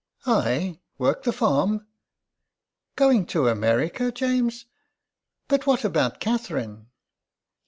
" I work the farm ! Going to America, James ! But what about Catherine